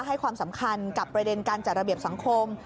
ให้ความสำคัญกับประเด็นการจัดระเบียบสังคม